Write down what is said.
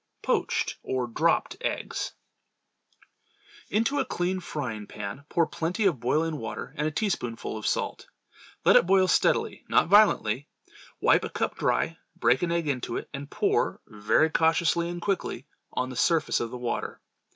Poached, or Dropped Eggs. Into a clean frying pan, pour plenty of boiling water, and a teaspoonful of salt. Let it boil steadily, not violently. Wipe a cup dry, break an egg into it, and pour, very cautiously and quickly, on the surface of the water.